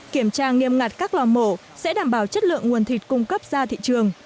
kiểm tra nghiêm ngặt các lò mổ sẽ đảm bảo chất lượng nguồn thịt cung cấp ra thị trường